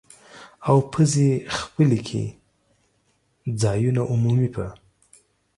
او پزې خپلې کې ځایونو عمومي په